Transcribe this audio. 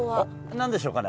何でしょうかね？